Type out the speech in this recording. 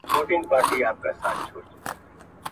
صنعتي ټولني څه وخت منځته راغلې؟